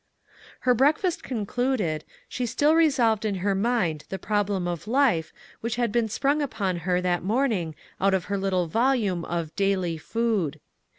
Her breakfast concluded, she still revolved in her mind the problem of life which had been sprung upon her that morning out of her little volume of "Daily Food."